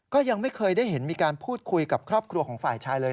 ก็ยังไม่เคยได้เห็นมีการพูดคุยกับครอบครัวของฝ่ายชายเลย